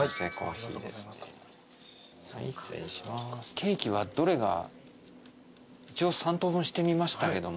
ケーキはどれが一応三等分してみましたけども。